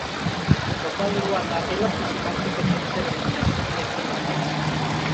La Copa de Ruanda es la principal competencia de eliminación directa en el país.